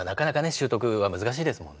習得は難しいですもんね。